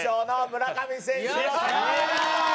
村上選手。